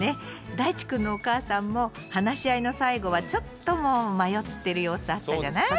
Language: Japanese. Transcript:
だいちくんのお母さんも話し合いの最後はちょっともう迷ってる様子あったじゃない？